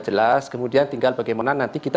jelas kemudian tinggal bagaimana nanti kita